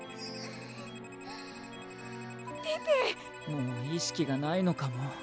もう意識がないのかも。